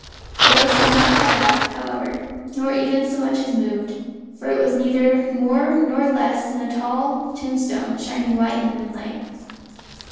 The ghost had not cried out, however, nor even so much as moved, for it was neither more nor less than a tall tombstone shining white in the moonlight.